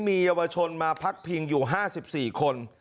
มีเยาวชนมาพักพิงอยู่๕๔คน